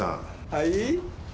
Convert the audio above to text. はい？